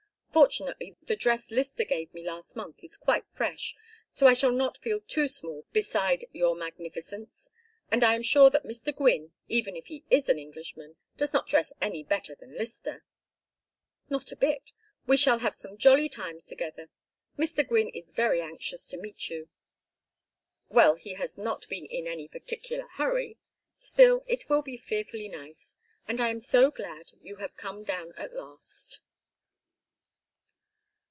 Fortunately the dress Lyster gave me last month is quite fresh, so I shall not feel too small beside your magnificence, and I am sure that Mr. Gwynne, even if he is an Englishman, does not dress any better than Lyster." "Not a bit. We shall have some jolly times together. Mr. Gwynne is very anxious to meet you." "Well, he has not been in any particular hurry. Still, it will be fearfully nice, and I am so glad you have come down at last."